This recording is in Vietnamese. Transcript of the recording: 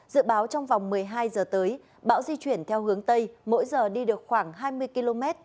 dự báo trong vòng một mươi hai giờ tới bão di chuyển theo hướng tây mỗi giờ đi được khoảng hai mươi km